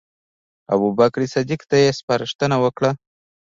ابوبکر صدیق ته یې سپارښتنه وکړه.